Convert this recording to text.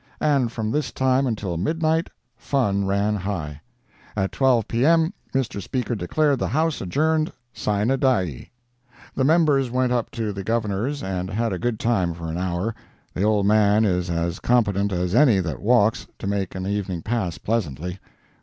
And from this time until midnight, fun ran high. At 12 P.M. Mr. Speaker declared the House adjourned sine die. The members went up to the Governor's and had a good time for an hour. The old man is as competent as any that walks, to make an evening pass pleasantly.